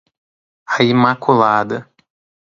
A imaculada